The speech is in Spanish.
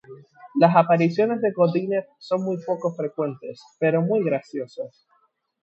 Las apariciones de Godínez son muy poco frecuentes, pero muy graciosas.